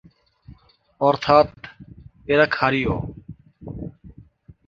অর্থাৎ, এরা ক্ষারীয়।